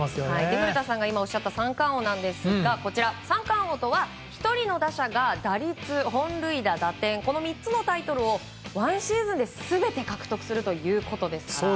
古田さんが今、おっしゃった三冠王なんですが三冠王とは１人の打者が打率、本塁打、打点この３つのタイトルを１シーズンで全て獲得するということですから。